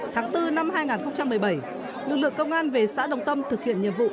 tháng bốn năm hai nghìn một mươi bảy lực lượng công an về xã đồng tâm thực hiện nhiệm vụ